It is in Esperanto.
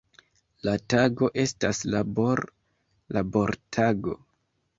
La tago estas labor-labortago.